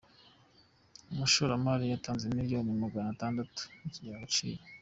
Umushora mari yatanze Miliyoni Magana atandatu mu kigega Agaciro